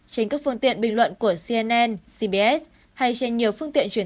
trên các phương tiện bình luận của cnn cbs hay trên nhiều phương tiện truyền